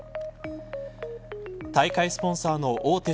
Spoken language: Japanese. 大会スポンサーの大手